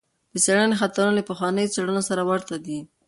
د څېړنې خطرونه له پخوانیو څېړنو سره ورته دي.